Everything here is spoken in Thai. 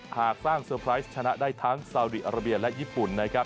หากสร้างเซอร์ไพรส์ชนะได้ทั้งซาวดีอาราเบียและญี่ปุ่นนะครับ